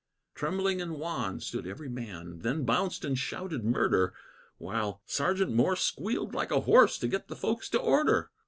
Trembling and wan stood every man; Then bounced and shouted murder, While Sergeant Morse squealed like a horse To get the folks to order.